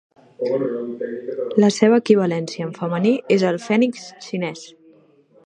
La seva equivalència en femení és el fènix xinès.